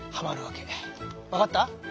分かった？